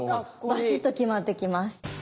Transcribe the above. バシッと極まってきます。